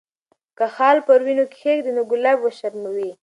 که خال پر وینو کښېږدي، نو ګلاب وشرموي.